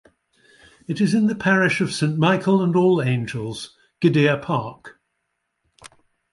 It is in the parish of Saint Michael and All Angels, Gidea Park.